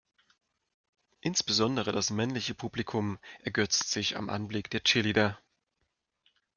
Insbesondere das männliche Publikum ergötzt sich am Anblick der Cheerleader.